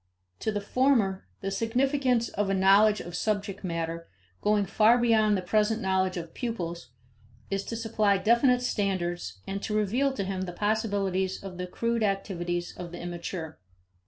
To the former, the significance of a knowledge of subject matter, going far beyond the present knowledge of pupils, is to supply definite standards and to reveal to him the possibilities of the crude activities of the immature.